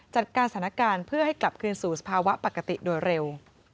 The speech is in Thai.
จัดการสถานการณ์เพื่อให้กลับคืนสู่สภาวะปกติโดยเร็ว